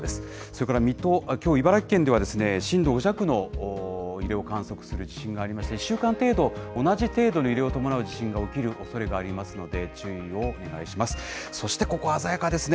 それから水戸、きょう茨城県では震度５弱の揺れを観測する地震がありまして、１週間程度、同じ程度の揺れを伴う地震が起きるおそれがありますので、注意をお願いします。